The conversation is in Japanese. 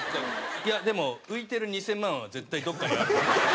いやでも浮いてる２０００万は絶対どこかにあるから。